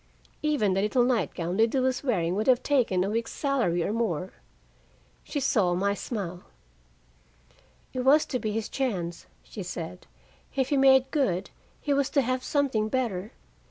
Even the little nightgown Lida was wearing would have taken a week's salary or more. She saw my smile. "It was to be his chance," she said. "If he made good, he was to have something better.